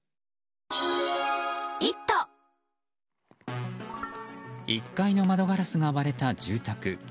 １階の窓ガラスが割れた住宅。